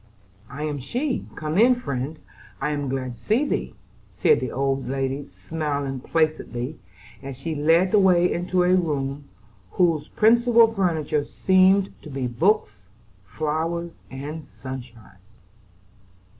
"I am she; come in, friend; I am glad to see thee," said the old lady, smiling placidly, as she led the way into a room whose principal furniture seemed to be books, flowers, and sunshine.